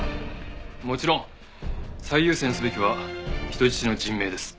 もちろん最優先すべきは人質の人命です。